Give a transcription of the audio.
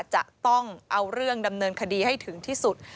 จะต้องเอาเรื่องดำเนินคดีให้ถึงที่สุด